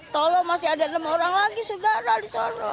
tolong masih ada enam orang lagi saudara di soto